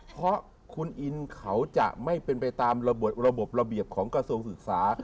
เพราะคุณอินเขาจะไม่เป็นไปตามระบบระบบระเบียบของกระทรวงศึกษา